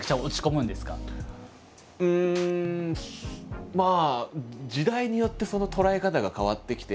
うんまあ時代によってその捉え方が変わってきて。